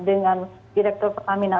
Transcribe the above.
dengan direktur pertamina